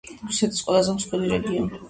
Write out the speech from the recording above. რუსეთის ყველაზე მსხვილი რეგიონი.